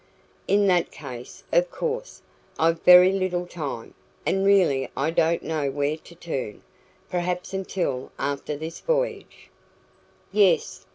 "In that case of course, I've very little time, and really I don't know where to turn perhaps until after this voyage " "Yes.